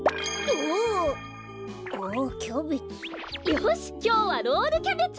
よしきょうはロールキャベツ！